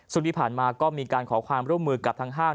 ซึ่งที่ผ่านมาก็มีการขอความร่วมมือกับทางห้าง